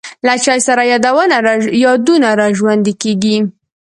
له چای سره یادونه را ژوندی کېږي.